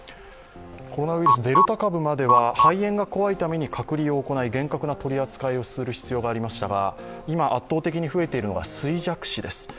コロナウイルス、デルタ株までは肺炎が怖いため、隔離を行い、厳格な取り扱いをする必要がありましたが、今、圧倒的に増えているのが衰弱死です。